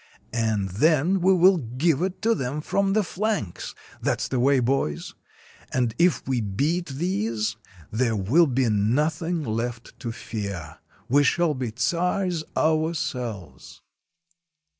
And then we will give it to them from the flanks. That 's the way, boys. And if we beat these, there will be nothing left to fear. We shall be czars ourselves."